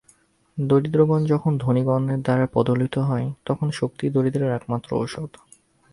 দরিদ্রগণ যখন ধনিগণের দ্বারা পদদলিত হয়, তখন শক্তিই দরিদ্রদের একমাত্র ঔষধ।